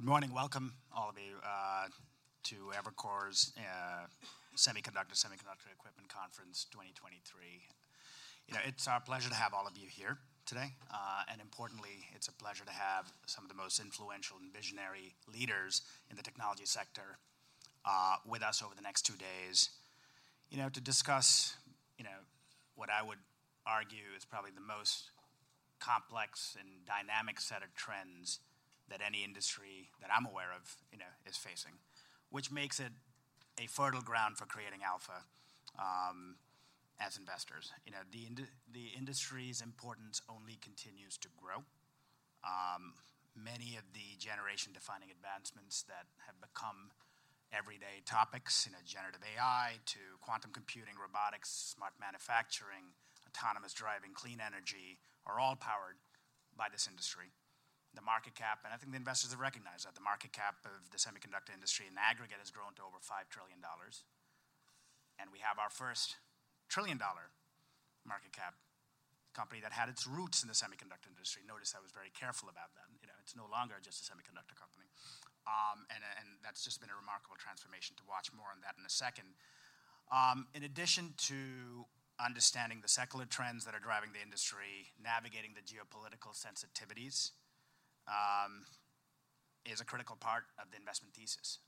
Great. Good morning. Welcome, all of you, to Evercore's Semiconductor Equipment Conference 2023. You know, it's our pleasure to have all of you here today. Importantly, it's a pleasure to have some of the most influential and visionary leaders in the technology sector with us over the next two days, you know, to discuss, you know, what I would argue is probably the most complex and dynamic set of trends that any industry that I'm aware of, you know, is facing, which makes it a fertile ground for creating alpha as investors. You know, the industry's importance only continues to grow. Many of the generation-defining advancements that have become everyday topics, you know, generative AI to quantum computing, robotics, smart manufacturing, autonomous driving, clean energy, are all powered by this industry. The market cap, and I think the investors have recognized that the market cap of the semiconductor industry in aggregate has grown to over $5 trillion, and we have our first trillion-dollar market cap company that had its roots in the semiconductor industry. Notice I was very careful about that. You know, it's no longer just a semiconductor company. And that's just been a remarkable transformation to watch. More on that in a second. In addition to understanding the secular trends that are driving the industry, navigating the geopolitical sensitivities is a critical part of the investment thesis.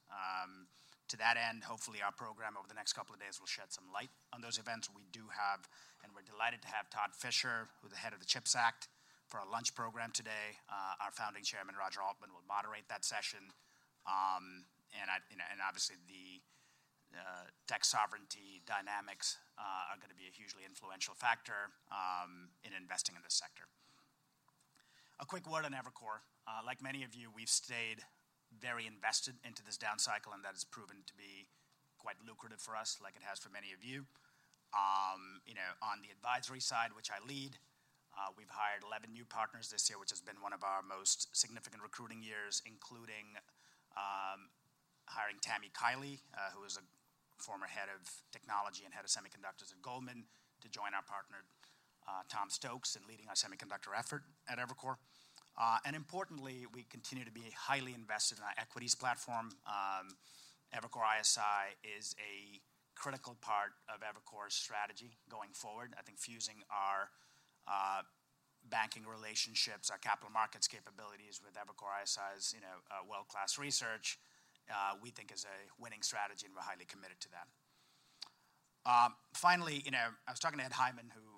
To that end, hopefully, our program over the next couple of days will shed some light on those events. We do have, and we're delighted to have Todd Fisher, who's the head of the CHIPS Act, for our lunch program today. Our founding chairman, Roger Altman, will moderate that session. You know, obviously, the tech sovereignty dynamics are gonna be a hugely influential factor in investing in this sector. A quick word on Evercore. Like many of you, we've stayed very invested into this downcycle, and that has proven to be quite lucrative for us, like it has for many of you. You know, on the advisory side, which I lead, we've hired 11 new partners this year, which has been one of our most significant recruiting years, including hiring Tami Kiely, who is a former head of technology and head of semiconductors at Goldman, to join our partner, Tom Stokes, in leading our semiconductor effort at Evercore. And importantly, we continue to be highly invested in our equities platform. Evercore ISI is a critical part of Evercore's strategy going forward. I think fusing our banking relationships, our capital markets capabilities with Evercore ISI's, you know, world-class research, we think is a winning strategy, and we're highly committed to that. Finally, you know, I was talking to Ed Hyman, who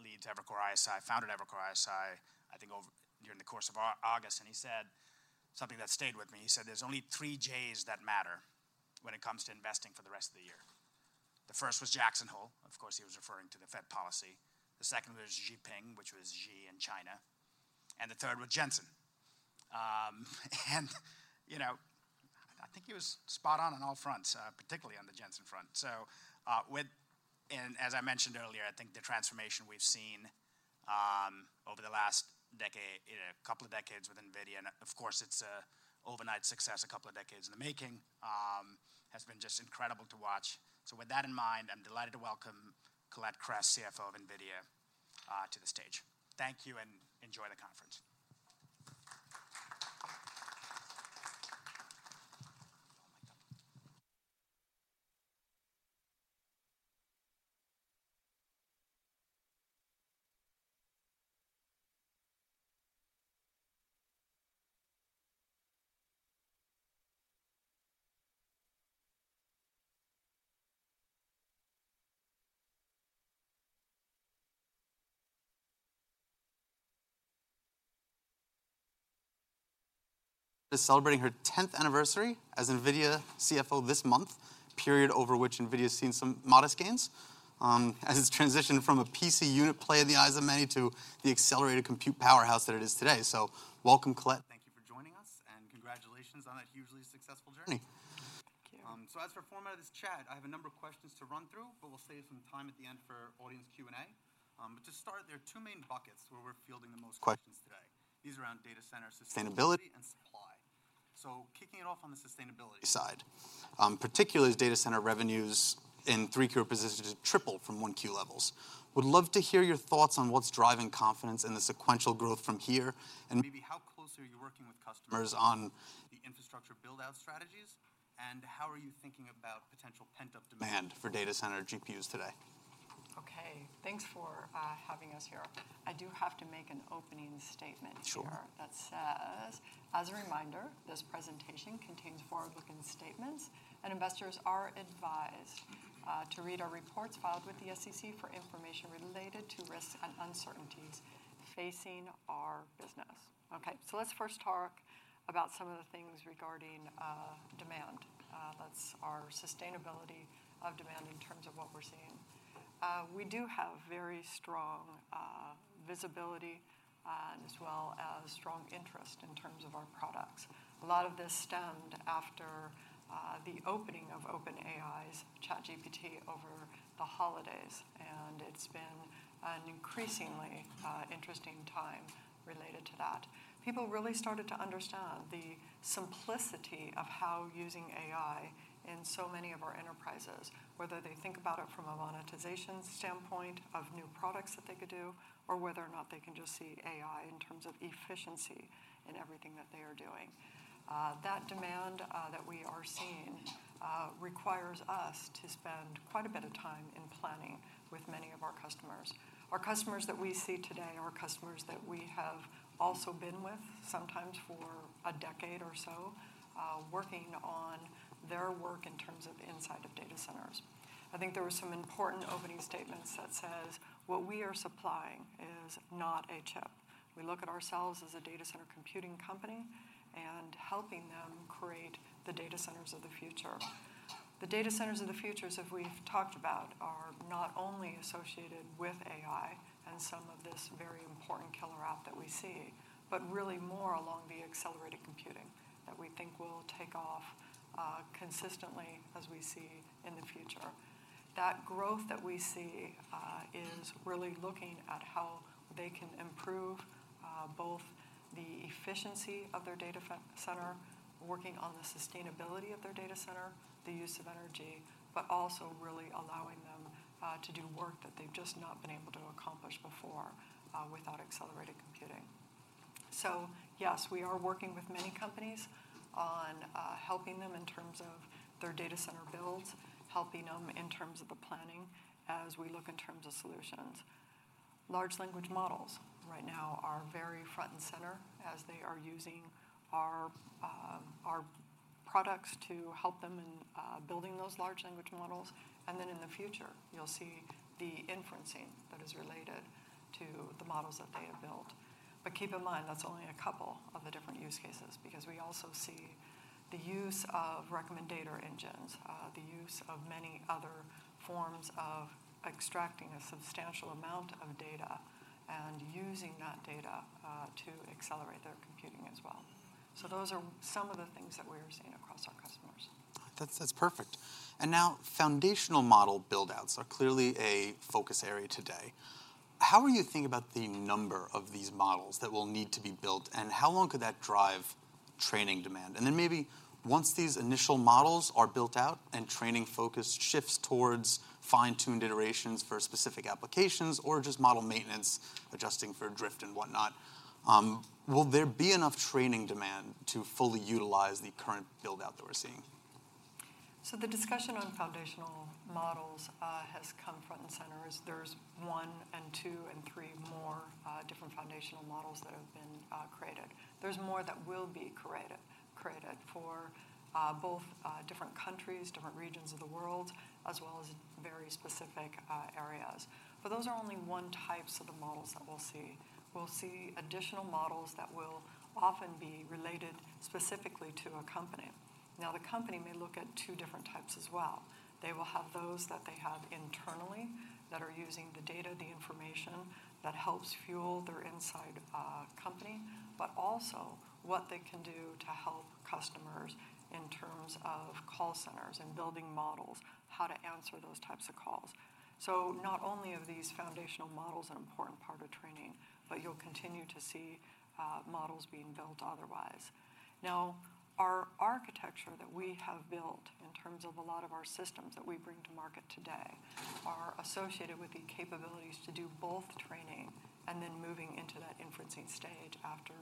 leads Evercore ISI, founded Evercore ISI, I think over the course of August, and he said something that stayed with me. He said, "There's only three J's that matter when it comes to investing for the rest of the year." The first was Jackson Hole. Of course, he was referring to the Fed policy. The second was Xi Jinping, which was Xi in China, and the third was Jensen. You know, I think he was spot on on all fronts, particularly on the Jensen front. So, and as I mentioned earlier, I think the transformation we've seen over the last decade, you know, couple of decades with NVIDIA, and of course, it's an overnight success, a couple of decades in the making, has been just incredible to watch. So with that in mind, I'm delighted to welcome Colette Kress, CFO of NVIDIA, to the stage. Thank you, and enjoy the conference. Is celebrating her tenth anniversary as NVIDIA CFO this month, period over which NVIDIA's seen some modest gains, as it's transitioned from a PC unit play in the eyes of many to the accelerated compute powerhouse that it is today. So welcome, Colette. Thank you for joining us, and congratulations on a hugely successful journey. Thank you. So as for the format of this chat, I have a number of questions to run through, but we'll save some time at the end for audience Q&A. But to start, there are two main buckets where we're fielding the most questions today. These are around data center sustainability and supply. So kicking it off on the sustainability side, particularly as data center revenues in 3Q positioned to triple from 1Q levels. Would love to hear your thoughts on what's driving confidence in the sequential growth from here, and maybe how closely are you working with customers on the infrastructure build-out strategies, and how are you thinking about potential pent-up demand for data center GPUs today? Okay, thanks for having us here. I do have to make an opening statement. Sure Here that says, "As a reminder, this presentation contains forward-looking statements, and investors are advised to read our reports filed with the SEC for information related to risks and uncertainties facing our business." Okay, so let's first talk about some of the things regarding demand. That's our sustainability of demand in terms of what we're seeing. We do have very strong visibility as well as strong interest in terms of our products. A lot of this stemmed after the opening of ChatGPT over the holidays, and it's been an increasingly interesting time related to that. People really started to understand the simplicity of how using AI in so many of our enterprises, whether they think about it from a monetization standpoint of new products that they could do, or whether or not they can just see AI in terms of efficiency in everything that they are doing. That demand that we are seeing requires us to spend quite a bit of time in planning with many of our customers. Our customers that we see today are customers that we have also been with, sometimes for a decade or so, working on their work in terms of inside of data centers. I think there were some important opening statements that says, "What we are supplying is not a chip." We look at ourselves as a data center computing company and helping them create the data centers of the future. The data centers of the future, as we've talked about, are not only associated with AI and some of this very important killer app that we see, but really more along the accelerated computing that we think will take off consistently as we see in the future. That growth that we see is really looking at how they can improve both the efficiency of their data center, working on the sustainability of their data center, the use of energy, but also really allowing them to do work that they've just not been able to accomplish before without accelerated computing. So yes, we are working with many companies on helping them in terms of their data center builds, helping them in terms of the planning as we look in terms of solutions. Large language models right now are very front and center as they are using our products to help them in building those large language models. And then in the future, you'll see the inferencing that is related to the models that they have built. But keep in mind, that's only a couple of the different use cases, because we also see the use of recommendation engines, the use of many other forms of extracting a substantial amount of data and using that data to accelerate their computing as well. So those are some of the things that we are seeing across our customers. That's, that's perfect. And now, foundational model build-outs are clearly a focus area today. How are you thinking about the number of these models that will need to be built, and how long could that drive training demand? And then maybe once these initial models are built out and training focus shifts towards fine-tuned iterations for specific applications or just model maintenance, adjusting for drift and whatnot, will there be enough training demand to fully utilize the current build-out that we're seeing? So the discussion on Foundational Models has come front and center as there's one and two and three more different Foundational Models that have been created. There's more that will be created for both different countries, different regions of the world, as well as very specific areas. But those are only one types of the models that we'll see. We'll see additional models that will often be related specifically to a company. Now, the company may look at two different types as well. They will have those that they have internally that are using the data, the information that helps fuel their inside company, but also what they can do to help customers in terms of call centers and building models, how to answer those types of calls. So not only are these foundational models an important part of training, but you'll continue to see, models being built otherwise. Now, our architecture that we have built in terms of a lot of our systems that we bring to market today, are associated with the capabilities to do both training and then moving into that inferencing stage after,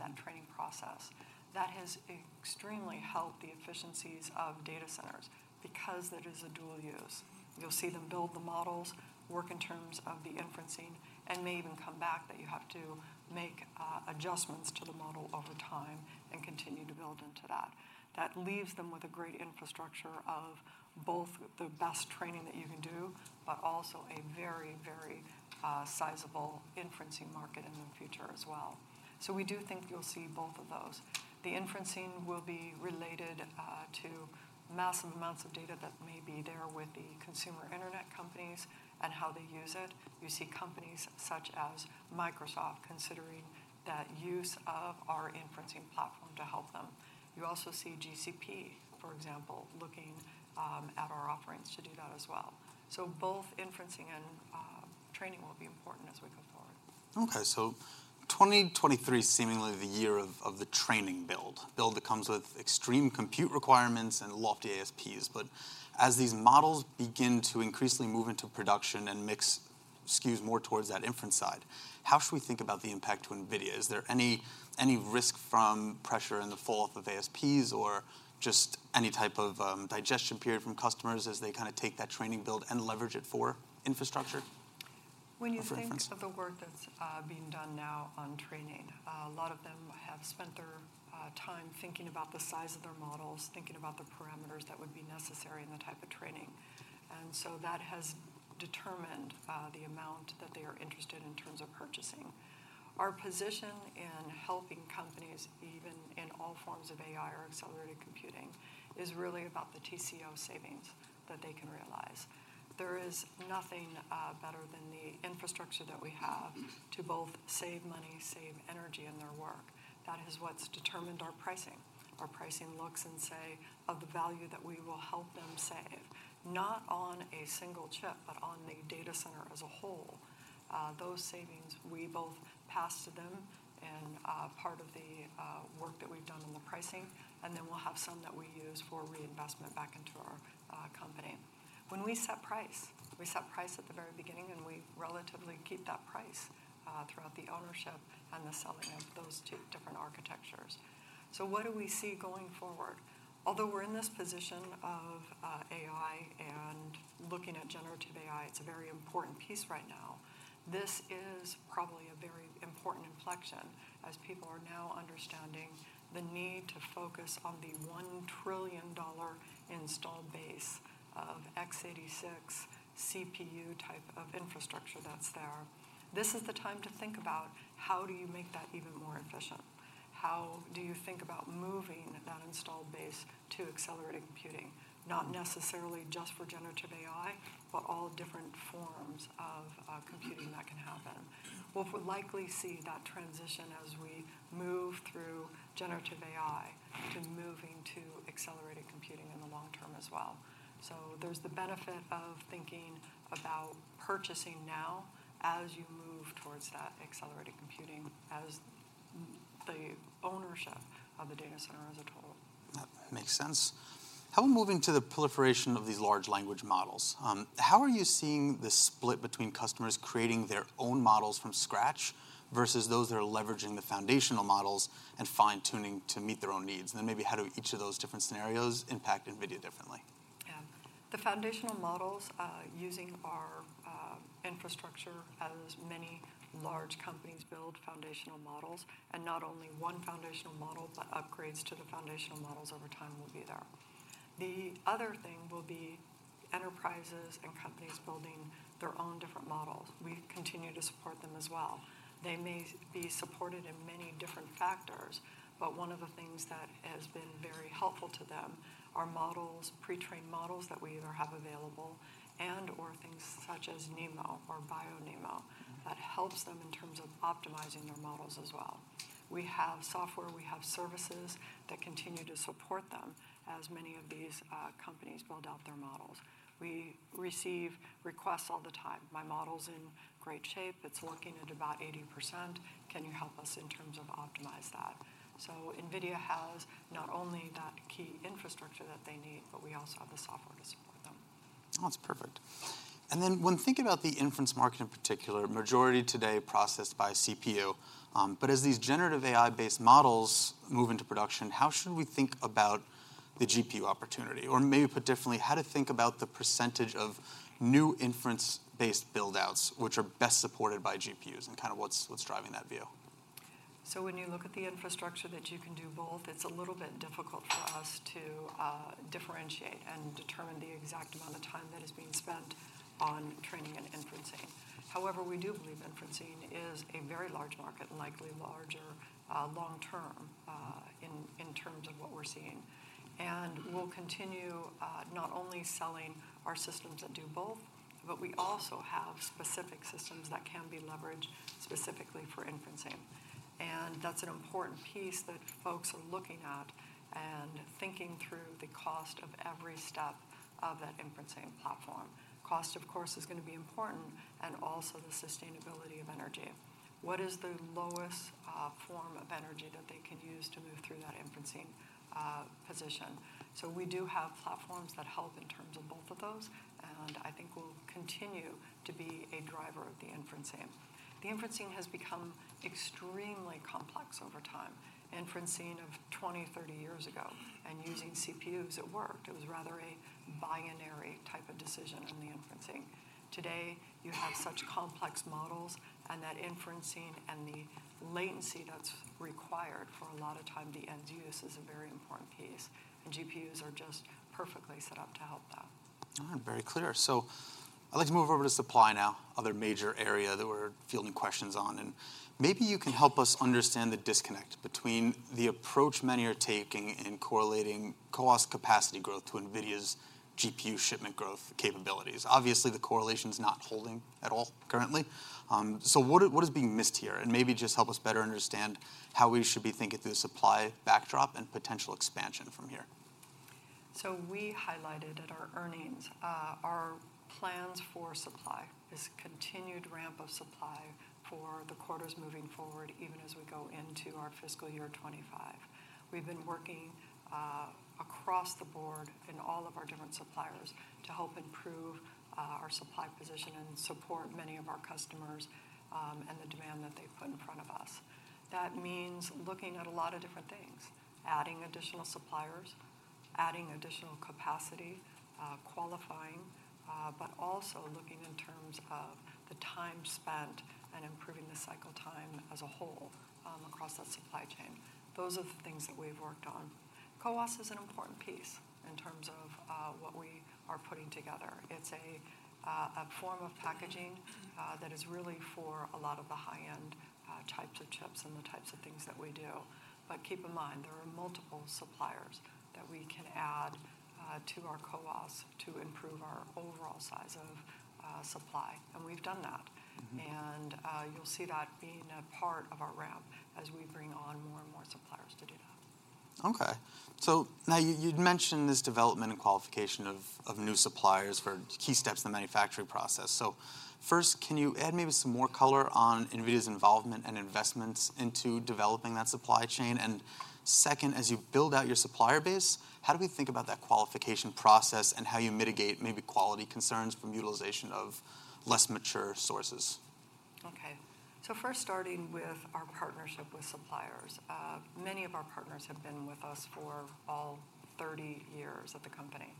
that training process. That has extremely helped the efficiencies of data centers because it is a dual use. You'll see them build the models, work in terms of the inferencing, and may even come back that you have to make, adjustments to the model over time and continue to build into that. That leaves them with a great infrastructure of both the best training that you can do, but also a very, very, sizable inferencing market in the future as well. So we do think you'll see both of those. The inferencing will be related to massive amounts of data that may be there with the consumer internet companies and how they use it. You see companies such as Microsoft considering that use of our inferencing platform to help them. You also see GCP, for example, looking at our offerings to do that as well. So both inferencing and training will be important as we go forward. Okay, so 2023 is seemingly the year of the training build that comes with extreme compute requirements and lofty ASPs. But as these models begin to increasingly move into production and mix SKUs more towards that inference side, how should we think about the impact to NVIDIA? Is there any risk from pressure in the falloff of ASPs or just any type of digestion period from customers as they kinda take that training build and leverage it for infrastructure? When you think of the work that's being done now on training, a lot of them have spent their time thinking about the size of their models, thinking about the parameters that would be necessary and the type of training. And so that has determined the amount that they are interested in terms of purchasing. Our position in helping companies, even in all forms of AI or accelerated computing, is really about the TCO savings that they can realize. There is nothing better than the infrastructure that we have to both save money, save energy in their work. That is what's determined our pricing. Our pricing looks and say, of the value that we will help them save, not on a single chip, but on the data center as a whole. Those savings, we both pass to them and, part of the work that we've done on the pricing, and then we'll have some that we use for reinvestment back into our company. When we set price, we set price at the very beginning, and we relatively keep that price, throughout the ownership and the selling of those two different architectures. So what do we see going forward? Although we're in this position of AI and looking at generative AI, it's a very important piece right now. This is probably a very important inflection, as people are now understanding the need to focus on the $1 trillion install base of x86 CPU type of infrastructure that's there. This is the time to think about: how do you make that even more efficient? How do you think about moving that installed base to accelerated computing? Not necessarily just for generative AI, but all different forms of computing that can happen. We'll likely see that transition as we move through generative AI to moving to accelerated computing in the long term as well. So there's the benefit of thinking about purchasing now as you move towards that accelerated computing, as the ownership of the data center as a total. That makes sense. How about moving to the proliferation of these large language models? How are you seeing the split between customers creating their own models from scratch, versus those that are leveraging the foundational models and fine-tuning to meet their own needs? And then maybe how do each of those different scenarios impact NVIDIA differently? Yeah. The Foundational Models, using our infrastructure as many large companies build Foundational Models, and not only one Foundational Model, but upgrades to the Foundational Models over time will be there. The other thing will be enterprises and companies building their own different models. We continue to support them as well. They may be supported in many different factors, but one of the things that has been very helpful to them are models, pre-trained models that we either have available and/or things such as NeMo or BioNeMo, that helps them in terms of optimizing their models as well. We have software, we have services that continue to support them as many of these companies build out their models. We receive requests all the time. "My model's in great shape. It's working at about 80%. Can you help us in terms of optimize that?" So NVIDIA has not only that key infrastructure that they need, but we also have the software to support them. That's perfect. And then when thinking about the inference market in particular, majority today processed by CPU, but as these generative AI-based models move into production, how should we think about the GPU opportunity? Or maybe put differently, how to think about the percentage of new inference-based build-outs, which are best supported by GPUs, and kind of what's driving that view? So when you look at the infrastructure that you can do both, it's a little bit difficult for us to differentiate and determine the exact amount of time that is being spent on training and inferencing. However, we do believe inferencing is a very large market, and likely larger long term in terms of what we're seeing. And we'll continue not only selling our systems that do both, but we also have specific systems that can be leveraged specifically for inferencing. And that's an important piece that folks are looking at and thinking through the cost of every step of that inferencing platform. Cost, of course, is going to be important, and also the sustainability of energy. What is the lowest form of energy that they can use to move through that inferencing position? So we do have platforms that help in terms of both of those, and I think we'll continue to be a driver of the inferencing. The inferencing has become extremely complex over time. Inferencing of 20, 30 years ago and using CPUs, it worked. It was rather a binary type of decision on the inferencing. Today, you have such complex models, and that inferencing and the latency that's required for a lot of time, the end use is a very important piece, and GPUs are just perfectly set up to help that. All right, very clear. So I'd like to move over to supply now, other major area that we're fielding questions on. And maybe you can help us understand the disconnect between the approach many are taking in correlating CoWoS capacity growth to NVIDIA's GPU shipment growth capabilities. Obviously, the correlation is not holding at all currently. So what is being missed here? And maybe just help us better understand how we should be thinking through the supply backdrop and potential expansion from here. So we highlighted at our earnings, our plans for supply, this continued ramp of supply for the quarters moving forward, even as we go into our fiscal year 25. We've been working, across the board in all of our different suppliers to help improve, our supply position and support many of our customers, and the demand that they've put in front of us. That means looking at a lot of different things: adding additional suppliers, adding additional capacity, qualifying, but also looking in terms of the time spent and improving the cycle time as a whole, across that supply chain. Those are the things that we've worked on. CoWoS is an important piece in terms of, what we are putting together. It's a form of packaging that is really for a lot of the high-end types of chips and the types of things that we do. But keep in mind, there are multiple suppliers that we can add to our CoWoS to improve our overall size of supply, and we've done that. Mm-hmm. And, you'll see that being a part of our ramp as we bring on more and more suppliers to do that. Okay. So now, you'd mentioned this development and qualification of new suppliers for key steps in the manufacturing process. So first, can you add maybe some more color on NVIDIA's involvement and investments into developing that supply chain? And second, as you build out your supplier base, how do we think about that qualification process and how you mitigate maybe quality concerns from utilization of less mature sources? Okay. So first, starting with our partnership with suppliers. Many of our partners have been with us for all 30 years at the company,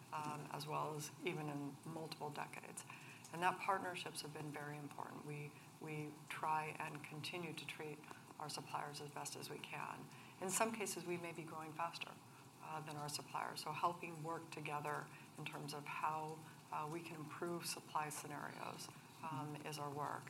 as well as even in multiple decades, and those partnerships have been very important. We try and continue to treat our suppliers as best as we can. In some cases, we may be growing faster than our suppliers, so helping work together in terms of how we can improve supply scenarios is our work.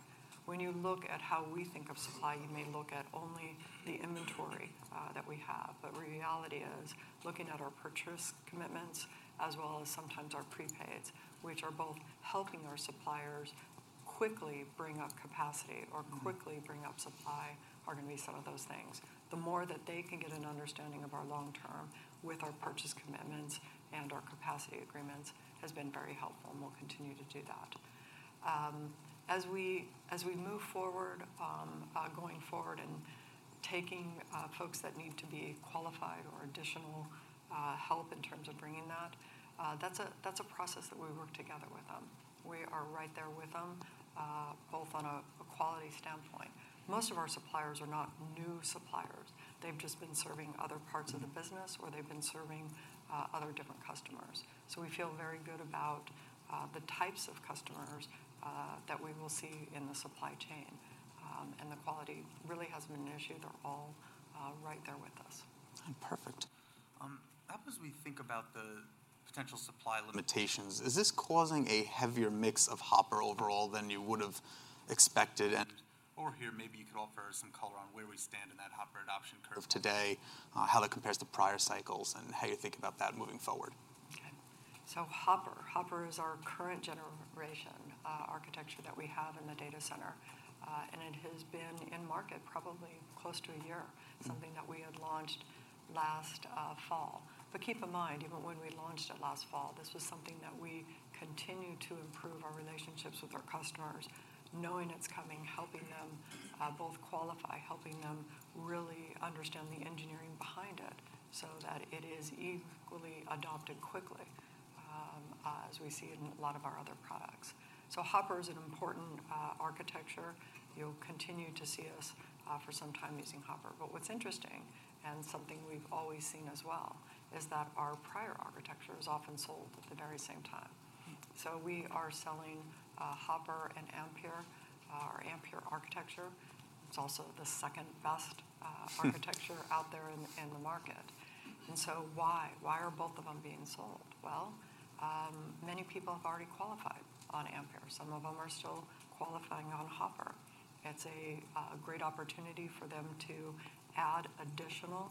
When you look at how we think of supply, you may look at only the inventory that we have, but the reality is looking at our purchase commitments as well as sometimes our prepaids, which are both helping our suppliers quickly bring up capacity- Mm Or quickly bring up supply, are going to be some of those things. The more that they can get an understanding of our long term with our purchase commitments and our capacity agreements, has been very helpful, and we'll continue to do that. As we move forward, going forward and taking folks that need to be qualified or additional help in terms of bringing that, that's a process that we work together with them. We are right there with them, both on a quality standpoint. Most of our suppliers are not new suppliers. They've just been serving other parts of the business- Mm Or they've been serving other different customers. So we feel very good about the types of customers that we will see in the supply chain. And the quality really hasn't been an issue. They're all right there with us. All right, perfect. As we think about the potential supply limitations, is this causing a heavier mix of Hopper overall than you would have expected? And or here, maybe you could offer some color on where we stand in that Hopper adoption curve today, how that compares to prior cycles, and how you think about that moving forward. Okay. So Hopper, Hopper is our current generation, architecture that we have in the data center, and it has been in market probably close to a year Mm Something that we had launched last fall. But keep in mind, even when we launched it last fall, this was something that we continued to improve our relationships with our customers, knowing it's coming, helping them both qualify, helping them really understand the engineering behind it so that it is equally adopted quickly, as we see in a lot of our other products. So Hopper is an important architecture. You'll continue to see us for some time using Hopper. But what's interesting, and something we've always seen as well, is that our prior architecture is often sold at the very same time. Mm. So we are selling Hopper and Ampere, our Ampere architecture. It's also the second-best architecture out there in the market. And so why? Why are both of them being sold? Well, many people have already qualified on Ampere. Some of them are still qualifying on Hopper. It's a great opportunity for them to add additional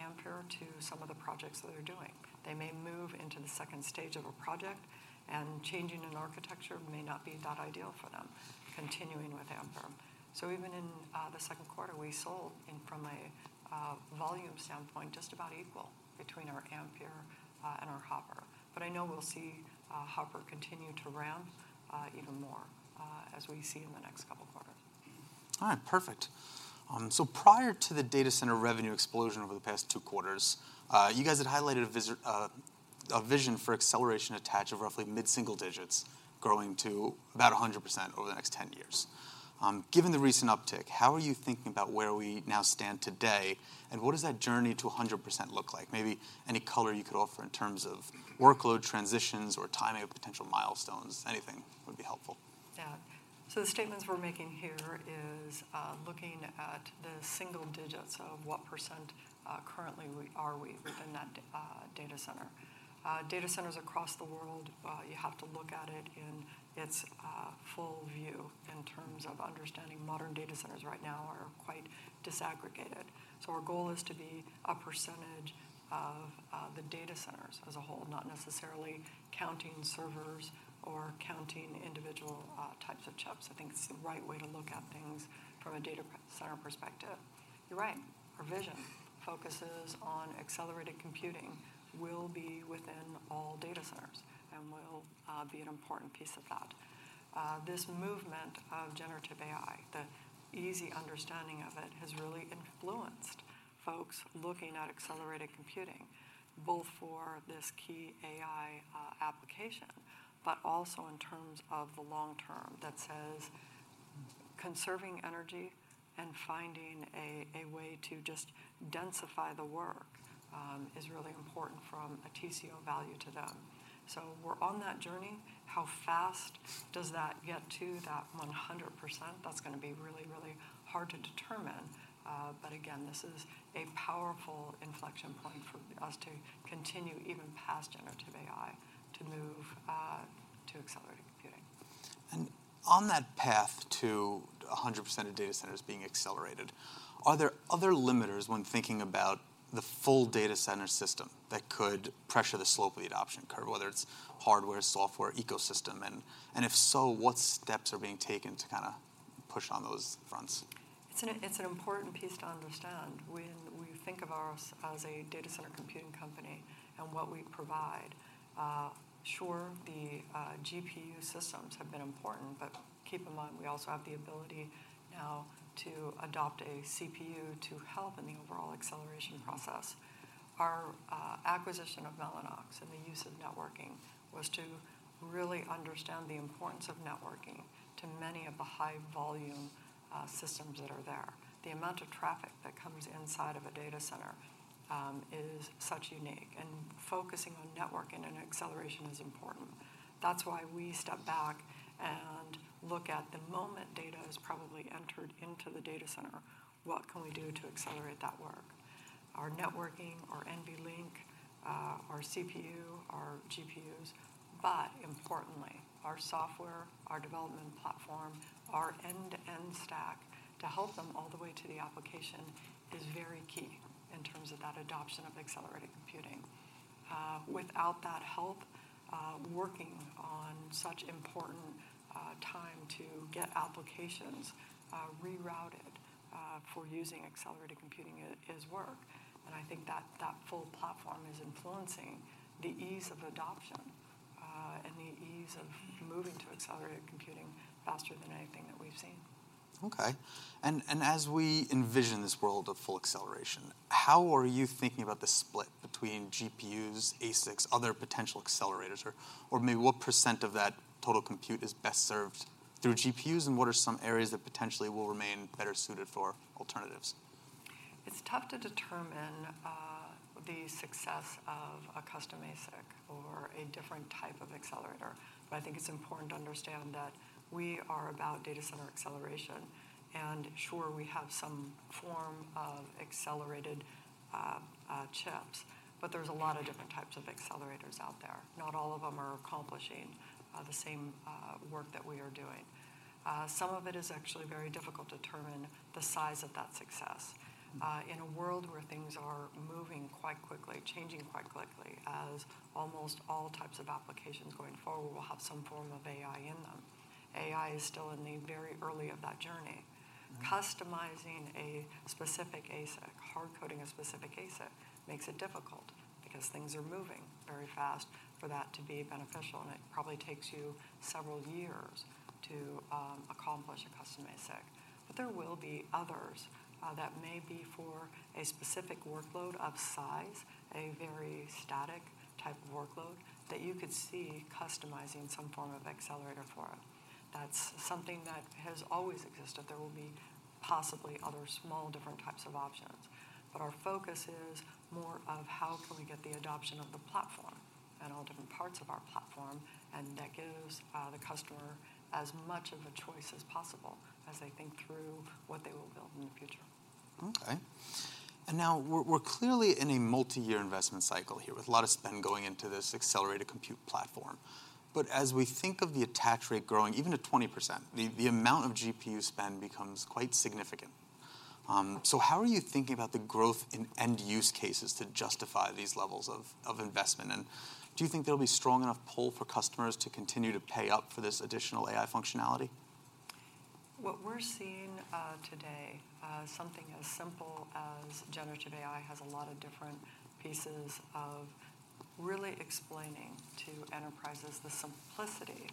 Ampere to some of the projects that they're doing. They may move into the second stage of a project, and changing an architecture may not be that ideal for them, continuing with Ampere. So even in the second quarter, we sold in from a volume standpoint, just about equal between our Ampere and our Hopper. But I know we'll see Hopper continue to ramp even more as we see in the next couple quarters. All right. Perfect. So prior to the data center revenue explosion over the past two quarters, you guys had highlighted a vision for acceleration attach of roughly mid-single digits, growing to about 100% over the next 10 years. Given the recent uptick, how are you thinking about where we now stand today, and what does that journey to 100% look like? Maybe any color you could offer in terms of- Mm Workload transitions or timing of potential milestones, anything would be helpful. Yeah. So the statements we're making here is, looking at the single digits of what %, currently where we are within that data center. Data centers across the world, you have to look at it in its full view in terms of understanding modern data centers right now are quite disaggregated. So our goal is to be a percentage of the data centers as a whole, not necessarily counting servers or counting individual types of chips. I think it's the right way to look at things from a data center perspective. You're right. Our vision focuses on Accelerated Computing will be within all data centers and will be an important piece of that. This movement of generative AI, the easy understanding of it, has really influenced folks looking at accelerated computing, both for this key AI application, but also in terms of the long term that says- Mm Conserving energy and finding a way to just densify the work, is really important from a TCO value to them. So we're on that journey. How fast does that get to that 100%? That's going to be really, really hard to determine. But again, this is a powerful inflection point for us to continue even past generative AI, to move to accelerated computing. On that path to 100% of data centers being accelerated, are there other limiters when thinking about the full data center system that could pressure the slope of the adoption curve, whether it's hardware, software, ecosystem? And if so, what steps are being taken to kinda push on those fronts? It's an important piece to understand. When we think of ours as a data center computing company and what we provide, sure, the GPU systems have been important, but keep in mind, we also have the ability now to adopt a CPU to help in the overall acceleration process. Our acquisition of Mellanox and the use of networking was to really understand the importance of networking to many of the high-volume systems that are there. The amount of traffic that comes inside of a data center is such unique, and focusing on networking and acceleration is important. That's why we step back and look at the moment data is probably entered into the data center, what can we do to accelerate that work? Our networking, our NVLink, our CPU, our GPUs, but importantly, our software, our development platform, our end-to-end stack to help them all the way to the application, is very key in terms of that adoption of accelerated computing. Without that help, working on such important, time to get applications, rerouted, for using accelerated computing is, is work. And I think that, that full platform is influencing the ease of adoption, and the ease of moving to accelerated computing faster than anything that we've seen. Okay. And as we envision this world of full acceleration, how are you thinking about the split between GPUs, ASICs, other potential accelerators or maybe what percent of that total compute is best served through GPUs, and what are some areas that potentially will remain better suited for alternatives? It's tough to determine the success of a custom ASIC or a different type of accelerator, but I think it's important to understand that we are about data center acceleration. And sure, we have some form of accelerated chips, but there's a lot of different types of accelerators out there. Not all of them are accomplishing the same work that we are doing. Some of it is actually very difficult to determine the size of that success. In a world where things are moving quite quickly, changing quite quickly, as almost all types of applications going forward will have some form of AI in them, AI is still in the very early of that journey. Customizing a specific ASIC, hard coding a specific ASIC, makes it difficult because things are moving very fast for that to be beneficial, and it probably takes you several years to, accomplish a custom ASIC. But there will be others, that may be for a specific workload of size, a very static type of workload, that you could see customizing some form of accelerator for it. That's something that has always existed. There will be possibly other small different types of options, but our focus is more of how can we get the adoption of the platform and all different parts of our platform, and that gives, the customer as much of a choice as possible as they think through what they will build in the future. Okay. And now, we're clearly in a multi-year investment cycle here, with a lot of spend going into this accelerated compute platform. But as we think of the attach rate growing, even at 20%, the amount of GPU spend becomes quite significant. So how are you thinking about the growth in end-use cases to justify these levels of investment? And do you think there'll be strong enough pull for customers to continue to pay up for this additional AI functionality? What we're seeing today, something as simple as generative AI, has a lot of different pieces of really explaining to enterprises the simplicity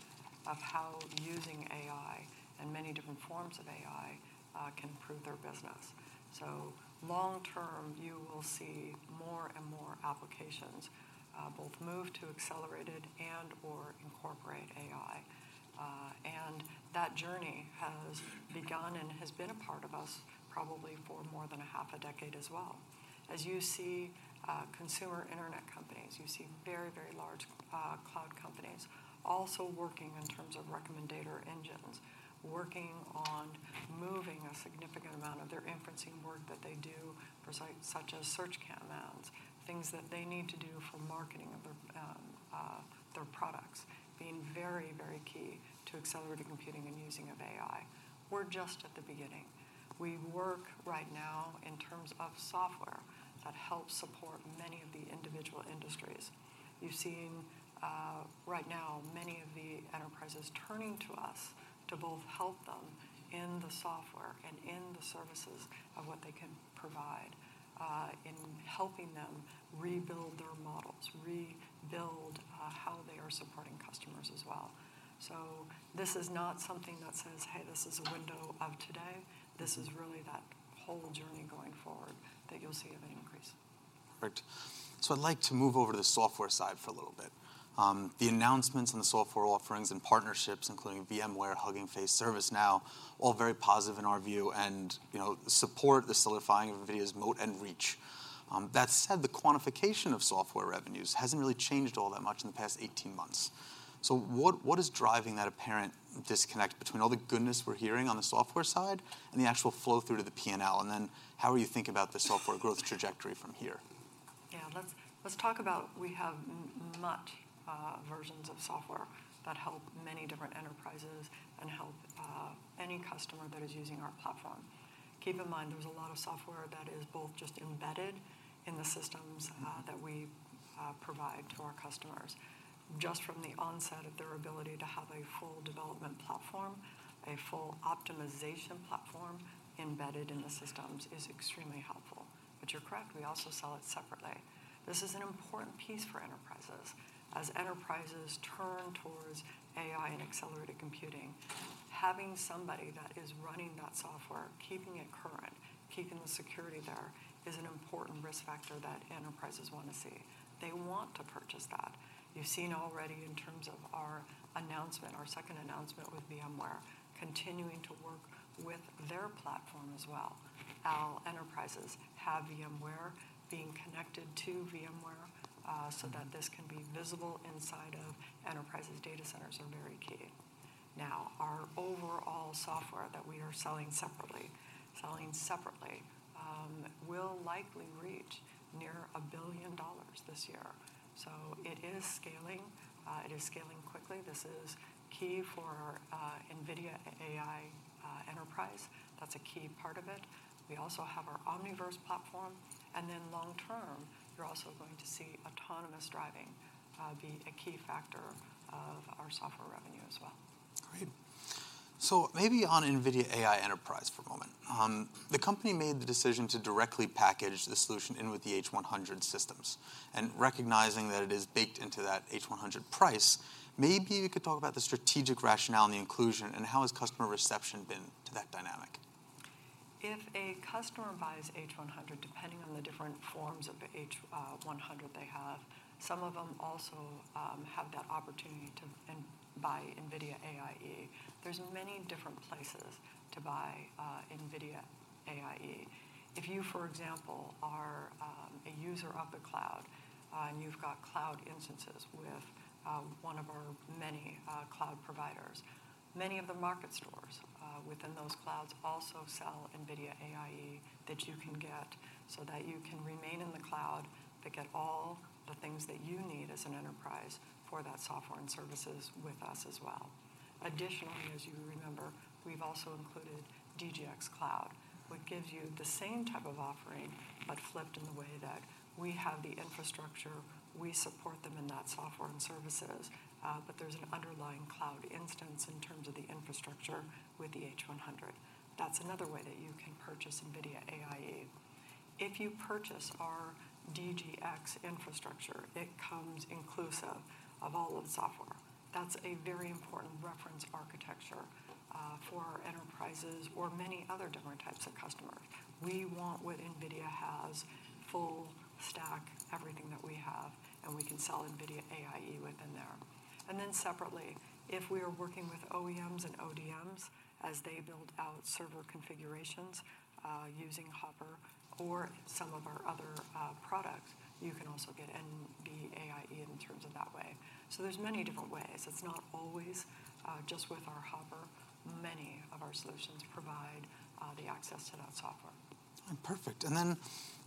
of how using AI and many different forms of AI can improve their business. So long term, you will see more and more applications both move to accelerated and/or incorporate AI. And that journey has begun and has been a part of us probably for more than a half a decade as well. As you see, consumer internet companies, you see very, very large cloud companies also working in terms of recommendation engines, working on moving a significant amount of their inferencing work that they do for sites such as search campaigns, things that they need to do for marketing of their their products, being very, very key to accelerated computing and using of AI. We're just at the beginning. We work right now in terms of software that helps support many of the individual industries. You've seen, right now, many of the enterprises turning to us to both help them in the software and in the services of what they can provide, in helping them rebuild their models, rebuild, how they are supporting customers as well. So this is not something that says, "Hey, this is a window of today." This is really that whole journey going forward that you'll see of an increase. Great. So I'd like to move over to the software side for a little bit. The announcements and the software offerings and partnerships, including VMware, Hugging Face, ServiceNow, all very positive in our view and, you know, support the solidifying of NVIDIA's moat and reach. That said, the quantification of software revenues hasn't really changed all that much in the past 18 months. So what, what is driving that apparent disconnect between all the goodness we're hearing on the software side and the actual flow-through to the PNL? And then how are you thinking about the software growth trajectory from here? Yeah, let's talk about we have many versions of software that help many different enterprises and help any customer that is using our platform. Keep in mind, there's a lot of software that is both just embedded in the systems that we provide to our customers. Just from the onset of their ability to have a full development platform, a full optimization platform embedded in the systems is extremely helpful. But you're correct, we also sell it separately. This is an important piece for enterprises. As enterprises turn towards AI and accelerated computing, having somebody that is running that software, keeping it current, keeping the security there, is an important risk factor that enterprises want to see. They want to purchase that. You've seen already in terms of our announcement, our second announcement with VMware, continuing to work with their platform as well. Our enterprises have VMware being connected to VMware, so that this can be visible inside of enterprises' data centers are very key. Now, our overall software that we are selling separately, selling separately, will likely reach near $1 billion this year. So it is scaling. It is scaling quickly. This is key for, NVIDIA AI Enterprise. That's a key part of it. We also have our Omniverse platform, and then long term, you're also going to see autonomous driving, be a key factor of our software revenue as well. Great. So maybe on NVIDIA AI Enterprise for a moment. The company made the decision to directly package the solution in with the H100 systems. Recognizing that it is baked into that H100 price, maybe you could talk about the strategic rationale and the inclusion, and how has customer reception been to that dynamic? If a customer buys H100, depending on the different forms of the H100 they have, some of them also have that opportunity to buy NVIDIA AIE. There's many different places to buy NVIDIA AIE. If you, for example, are a user of the cloud, and you've got cloud instances with one of our many cloud providers, many of the market stores within those clouds also sell NVIDIA AIE that you can get, so that you can remain in the cloud, but get all the things that you need as an enterprise for that software and services with us as well. Additionally, as you remember, we've also included DGX Cloud, what gives you the same type of offering, but flipped in the way that we have the infrastructure, we support them in that software and services, but there's an underlying cloud instance in terms of the infrastructure with the H100. That's another way that you can purchase NVIDIA AI Enterprise. If you purchase our DGX infrastructure, it comes inclusive of all of the software. That's a very important reference architecture, for our enterprises or many other different types of customers. We want what NVIDIA has, full stack, everything that we have, and we can sell NVIDIA AI Enterprise within there. And then separately, if we are working with OEMs and ODMs as they build out server configurations, using Hopper or some of our other products, you can also get NVIDIA AI Enterprise in terms of that way. So there's many different ways. It's not always just with our Hopper. Many of our solutions provide the access to that software. Perfect. And then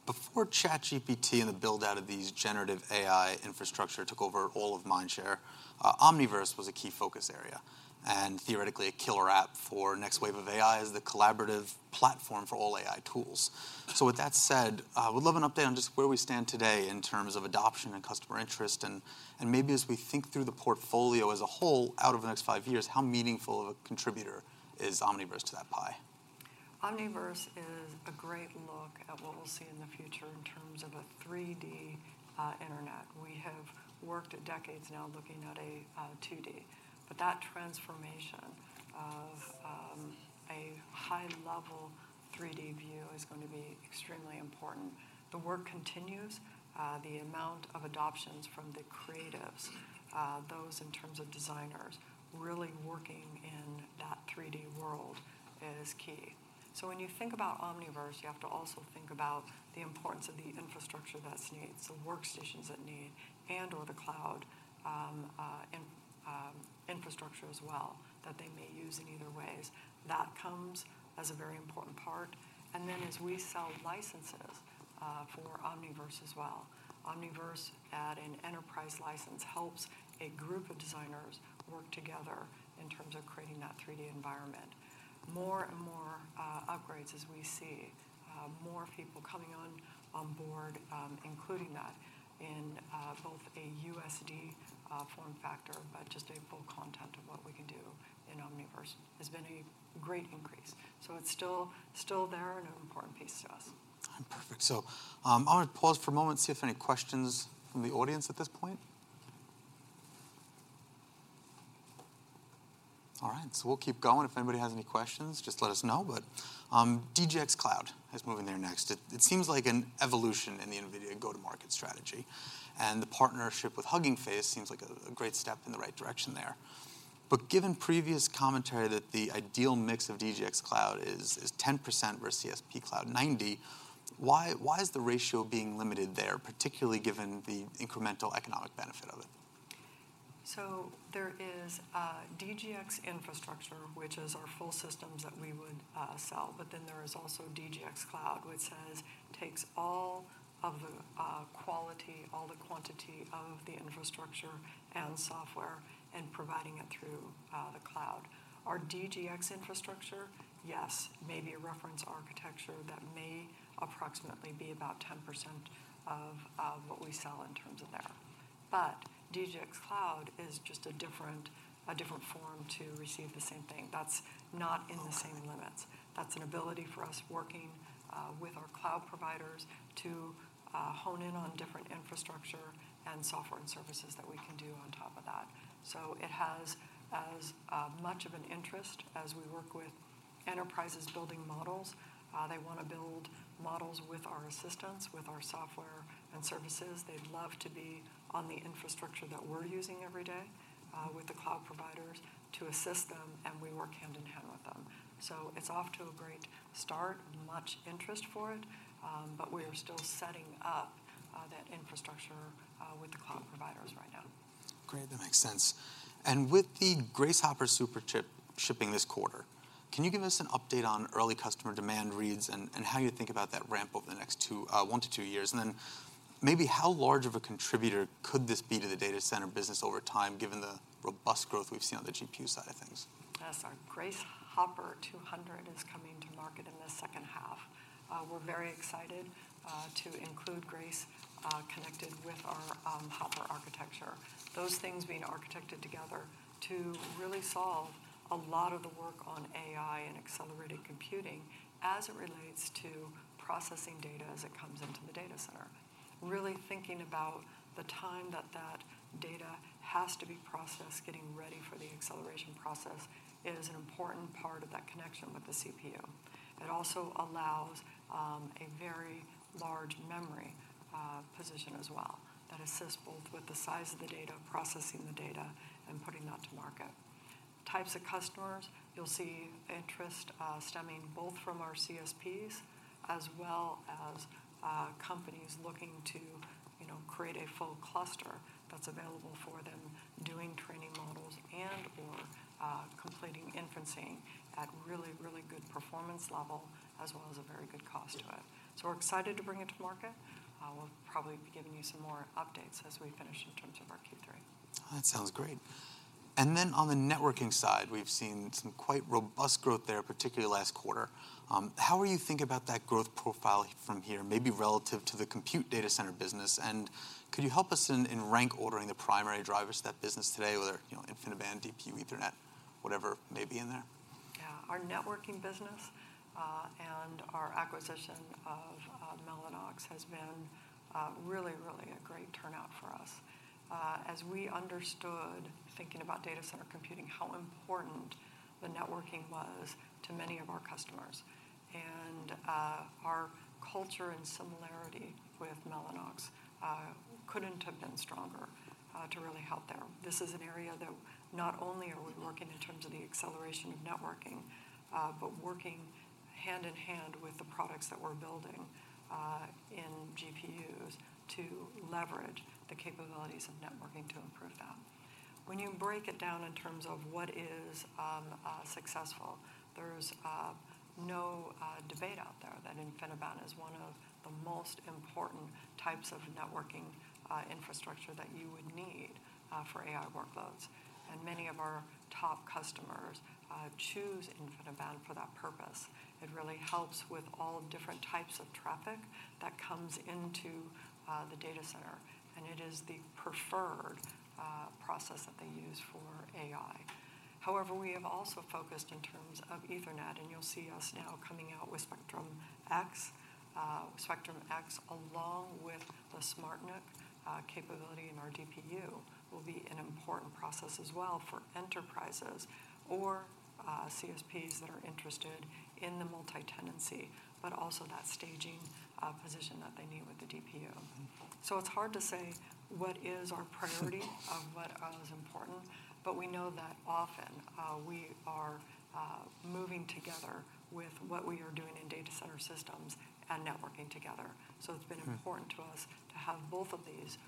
before ChatGPT and the build-out of these generative AI infrastructure took over all of Mindshare, Omniverse was a key focus area, and theoretically, a killer app for next wave of AI as the collaborative platform for all AI tools. So with that said, I would love an update on just where we stand today in terms of adoption and customer interest, and, and maybe as we think through the portfolio as a whole, out over the next five years, how meaningful of a contributor is Omniverse to that pie? Omniverse is a great look at what we'll see in the future in terms of a 3D internet. We have worked decades now looking at a 2D. But that transformation of a high-level 3D view is going to be extremely important. The work continues. The amount of adoptions from the creatives, those in terms of designers, really working in that 3D world is key. So when you think about Omniverse, you have to also think about the importance of the infrastructure that's needed, the workstations it need, and/or the cloud, in infrastructure as well, that they may use in either ways. That comes as a very important part. And then, as we sell licenses for Omniverse as well, Omniverse at an enterprise license helps a group of designers work together in terms of creating that 3D environment. More and more upgrades as we see more people coming on board, including that in both a USD form factor, but just a full content of what we can do in Omniverse, has been a great increase. So it's still there and an important piece to us. Perfect. So, I'm gonna pause for a moment, see if any questions from the audience at this point. All right, so we'll keep going. If anybody has any questions, just let us know. But, DGX Cloud, let's move in there next. It seems like an evolution in the NVIDIA go-to-market strategy, and the partnership with Hugging Face seems like a great step in the right direction there. But given previous commentary that the ideal mix of DGX Cloud is 10% versus CSP Cloud 90, why is the ratio being limited there, particularly given the incremental economic benefit of it? So there is DGX infrastructure, which is our full systems that we would sell, but then there is also DGX Cloud, which takes all of the quality, all the quantity of the infrastructure and software and providing it through the cloud. Our DGX infrastructure, yes, may be a reference architecture that may approximately be about 10% of what we sell in terms of there. But DGX Cloud is just a different form to receive the same thing. That's not in the same limits. That's an ability for us working with our cloud providers to hone in on different infrastructure and software and services that we can do on top of that. So it has as much of an interest as we work with enterprises building models. They want to build models with our assistance, with our software and services. They'd love to be on the infrastructure that we're using every day, with the cloud providers to assist them, and we work hand in hand with them. So it's off to a great start, much interest for it, but we are still setting up that infrastructure with the cloud providers right now. Great. That makes sense. And with the Grace Hopper Superchip shipping this quarter, can you give us an update on early customer demand reads and how you think about that ramp over the next one-two years? And then maybe how large of a contributor could this be to the data center business over time, given the robust growth we've seen on the GPU side of things? Yes. Our Grace Hopper 200 is coming to market in the second half. We're very excited to include Grace connected with our Hopper architecture. Those things being architected together to really solve a lot of the work on AI and accelerated computing as it relates to processing data as it comes into the data center. Really thinking about the time that that data has to be processed, getting ready for the acceleration process, is an important part of that connection with the CPU. It also allows a very large memory position as well, that assists both with the size of the data, processing the data, and putting that to market. Types of customers, you'll see interest stemming both from our CSPs as well as companies looking to, you know, create a full cluster that's available for them, doing training models and/or completing inferencing at really, really good performance level, as well as a very good cost to it. So we're excited to bring it to market. We'll probably be giving you some more updates as we finish in terms of our Q3. That sounds great. And then on the networking side, we've seen some quite robust growth there, particularly last quarter. How are you thinking about that growth profile from here, maybe relative to the compute data center business? And could you help us in rank ordering the primary drivers to that business today, whether, you know, InfiniBand, DPU, Ethernet, whatever may be in there? Yeah. Our networking business, and our acquisition of, Mellanox has been, really, really a great turnout for us. As we understood, thinking about data center computing, how important the networking was to many of our customers, and, our culture and similarity with Mellanox, couldn't have been stronger, to really help there. This is an area that not only are we working in terms of the acceleration of networking, but working hand in hand with the products that we're building, in GPUs to leverage the capabilities of networking to improve that. When you break it down in terms of what is, successful, there's, no, debate out there that InfiniBand is one of the most important types of networking, infrastructure that you would need, for AI workloads. Many of our top customers choose InfiniBand for that purpose. It really helps with all different types of traffic that comes into the data center, and it is the preferred process that they use for AI. However, we have also focused in terms of Ethernet, and you'll see us now coming out with Spectrum-X. Spectrum-X, along with the SmartNIC capability in our DPU, will be an important process as well for enterprises or CSPs that are interested in the multi-tenancy, but also that staging position that they need with the DPU. So it's hard to say what is our priority Mm Of what is important, but we know that often we are moving together with what we are doing in data center systems and networking together. Mm. It's been important to us to have both of these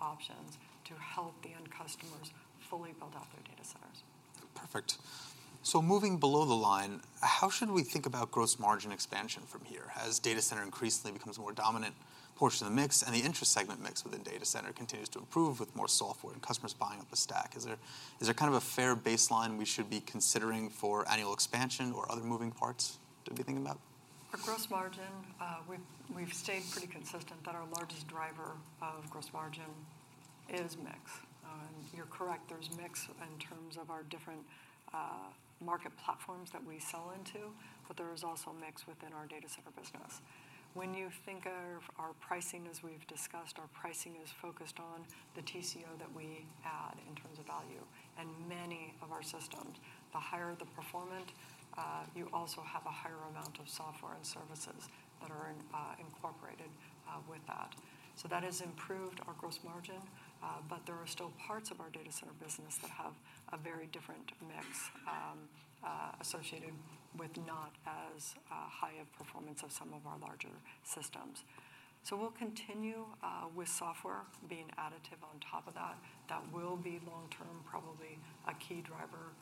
options to help the end customers fully build out their data centers. Perfect. So moving below the line, how should we think about gross margin expansion from here as data center increasingly becomes a more dominant portion of the mix, and the inferencing segment mix within data center continues to improve with more software and customers buying up the stack? Is there, is there kind of a fair baseline we should be considering for annual expansion or other moving parts to be thinking about? For gross margin, we've stayed pretty consistent that our largest driver of gross margin is mix. And you're correct, there's mix in terms of our different market platforms that we sell into, but there is also mix within our data center business. When you think of our pricing, as we've discussed, our pricing is focused on the TCO that we add in terms of value. And many of our systems, the higher the performant, you also have a higher amount of software and services that are in incorporated with that. So that has improved our gross margin, but there are still parts of our data center business, a very different mix, associated with not as high a performance of some of our larger systems. So we'll continue with software being additive on top of that. That will be long-term, probably a key driver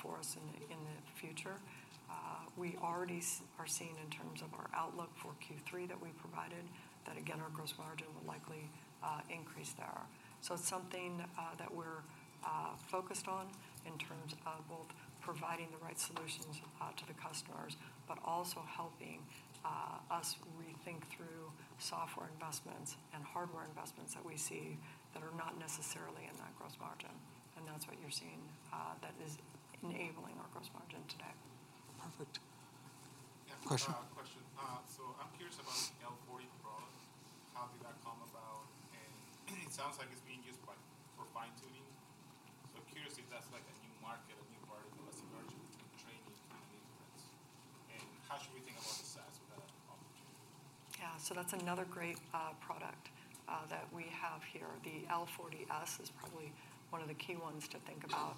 for us in the future. We already are seeing in terms of our outlook for Q3 that we provided, that again, our gross margin will likely increase there. So it's something that we're focused on in terms of both providing the right solutions to the customers, but also helping us rethink through software investments and hardware investments that we see that are not necessarily in that gross margin, and that's what you're seeing that is enabling our gross margin today. Perfect. Question. Yeah, question. So I'm curious about the L40 product. How did that come about? And it sounds like it's being used by for fine-tuning. So I'm curious if that's, like, a new market, a new part of the emerging training instance, and how should we think about the size of that opportunity? Yeah. So that's another great product that we have here. The L40S is probably one of the key ones to think about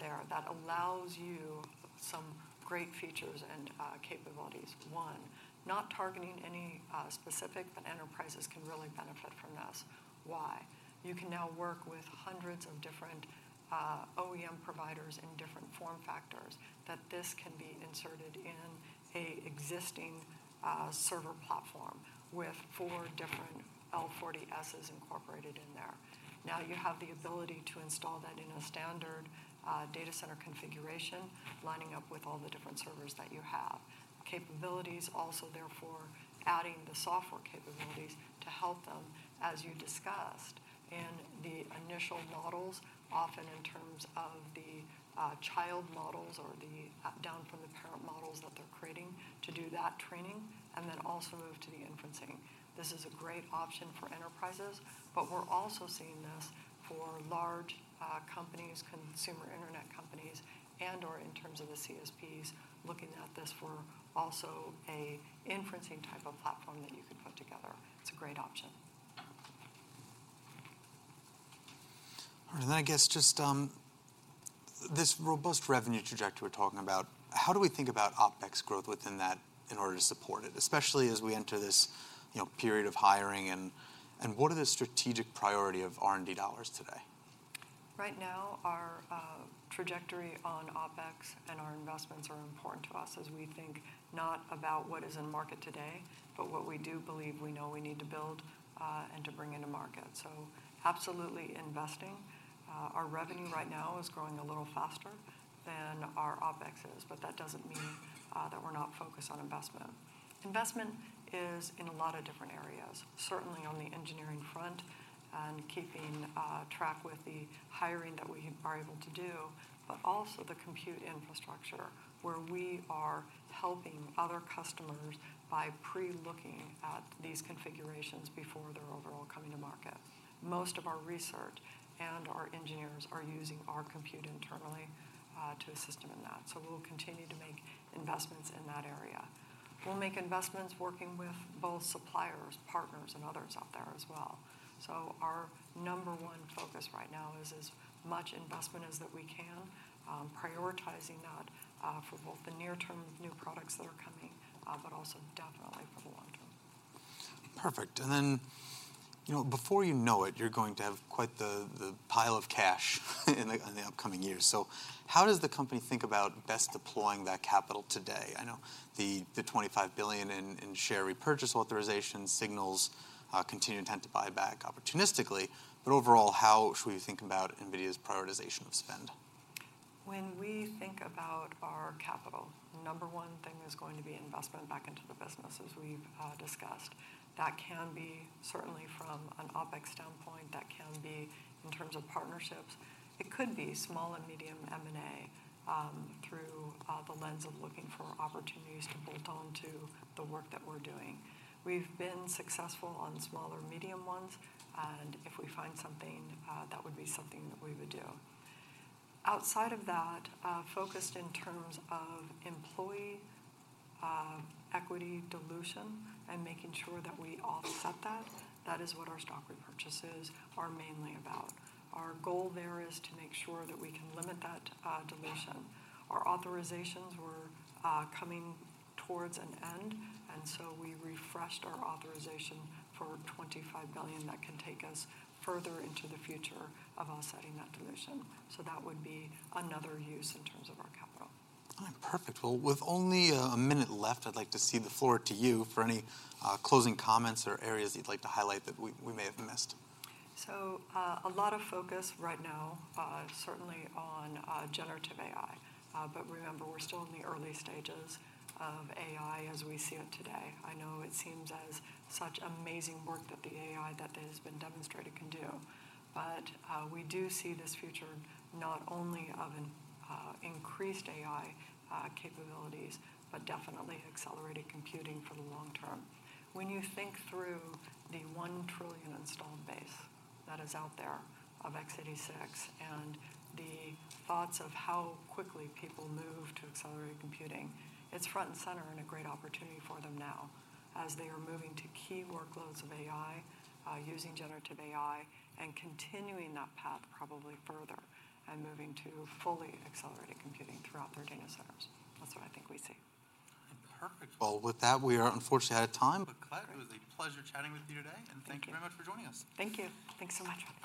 there, that allows you some great features and capabilities. One, not targeting any specific, but enterprises can really benefit from this. Why? You can now work with hundreds of different OEM providers in different form factors, that this can be inserted in an existing server platform with 4 different L40Ss incorporated in there. Now, you have the ability to install that in a standard data center configuration, lining up with all the different servers that you have. Capabilities also, therefore, adding the software capabilities to help them, as you discussed, in the initial models, often in terms of the child models or the down from the parent models that they're creating to do that training, and then also move to the inferencing. This is a great option for enterprises, but we're also seeing this for large companies, consumer internet companies, and/or in terms of the CSPs looking at this for also a inferencing type of platform that you can put together. It's a great option. And then I guess just this robust revenue trajectory we're talking about, how do we think about OpEx growth within that in order to support it, especially as we enter this, you know, period of hiring? And what are the strategic priority of R&D dollars today? Right now, our trajectory on OpEx and our investments are important to us as we think not about what is in market today, but what we do believe we know we need to build and to bring into market, so absolutely investing. Our revenue right now is growing a little faster than our OpEx is, but that doesn't mean that we're not focused on investment. Investment is in a lot of different areas, certainly on the engineering front and keeping track with the hiring that we are able to do, but also the compute infrastructure, where we are helping other customers by pre-looking at these configurations before they're overall coming to market. Most of our research and our engineers are using our compute internally to assist them in that. So we'll continue to make investments in that area. We'll make investments working with both suppliers, partners, and others out there as well. So our number one focus right now is as much investment as that we can, prioritizing that, for both the near-term new products that are coming, but also definitely for the long term. Perfect. And then, you know, before you know it, you're going to have quite the pile of cash in the upcoming years. So how does the company think about best deploying that capital today? I know the $25 billion in share repurchase authorization signals continued intent to buy back opportunistically, but overall, how should we think about NVIDIA's prioritization of spend? When we think about our capital, number one thing is going to be investment back into the business, as we've discussed. That can be certainly from an OpEx standpoint. That can be in terms of partnerships. It could be small and medium M&A, through the lens of looking for opportunities to build on to the work that we're doing. We've been successful on small or medium ones, and if we find something that would be something that we would do. Outside of that, focused in terms of employee equity dilution and making sure that we offset that, that is what our stock repurchases are mainly about. Our goal there is to make sure that we can limit that dilution. Our authorizations were coming towards an end, and so we refreshed our authorization for $25 billion. That can take us further into the future of offsetting that dilution. So that would be another use in terms of our capital. Perfect. Well, with only a minute left, I'd like to cede the floor to you for any closing comments or areas you'd like to highlight that we may have missed. So, a lot of focus right now, certainly on, generative AI, but remember, we're still in the early stages of AI as we see it today. I know it seems as such amazing work that the AI that has been demonstrated can do, but, we do see this future not only of an, increased AI, capabilities, but definitely accelerated computing for the long term. When you think through the 1 trillion installed base that is out there of x86 and the thoughts of how quickly people move to accelerated computing, it's front and center and a great opportunity for them now as they are moving to key workloads of AI, using generative AI, and continuing that path probably further, and moving to fully accelerated computing throughout their data centers. That's what I think we see. Perfect. Well, with that, we are unfortunately out of time, but Colette, it was a pleasure chatting with you today. Thank you. And thank you very much for joining us. Thank you. Thanks so much, Evan.